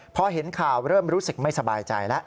พอเห็นข่าวเริ่มรู้สึกไม่สบายใจแล้ว